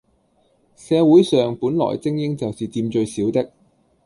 社會上本來精英就是佔最少的